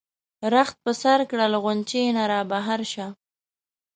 رخت په سر کړه له غُنچې نه را بهر شه.